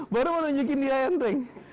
baru mau nunjukin di layar enteng